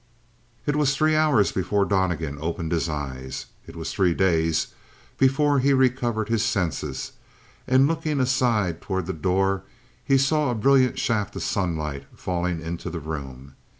It was three hours before Donnegan opened his eyes. It was three days before he recovered his senses, and looking aside toward the door he saw a brilliant shaft of sunlight falling into the room.